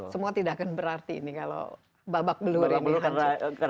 semua tidak akan berarti ini kalau babak belur ini hancur